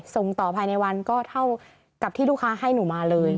ส่งต่อภายในวันก็เท่ากับที่ลูกค้าให้หนูมาเลย